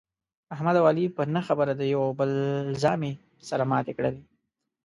احمد او علي په نه خبره د یوه او بل زامې سره ماتې کړلې.